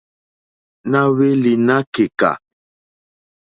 Na hweli na keka.